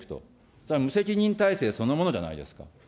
それは無責任体制そのものじゃないですか。